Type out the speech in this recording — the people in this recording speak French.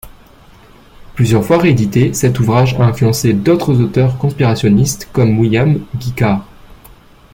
Plusieurs fois réédité, cet ouvrage a influencé d'autres auteurs conspirationnistes comme William Guy Carr.